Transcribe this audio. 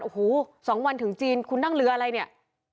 โอ้โห๒วันถึงจีนคุณนั่งเรืออะไรเนี่ย